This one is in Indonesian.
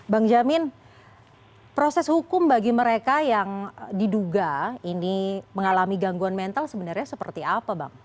bang jamin proses hukum bagi mereka yang diduga ini mengalami gangguan mental sebenarnya seperti apa bang